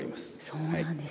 そうなんですね。